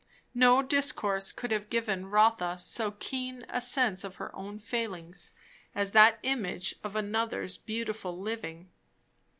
No discourse could have given Rotha so keen a sense of her own failings as that image of another's beautiful living.